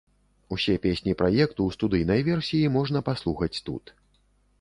Усе песні праекту ў студыйнай версіі можна паслухаць тут.